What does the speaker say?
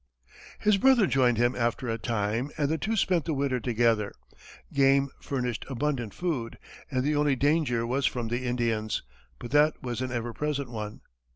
His brother joined him after a time, and the two spent the winter together. Game furnished abundant food, and the only danger was from the Indians, but that was an ever present one.